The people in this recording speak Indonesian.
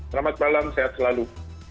selamat malam sehat selalu